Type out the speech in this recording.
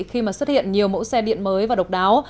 khi mà xuất hiện nhiều mẫu xe điện mới và độc đáo